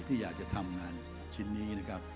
ที่อยากจะทำงานชิ้นนี้นะครับ